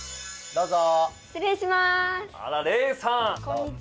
どうぞ。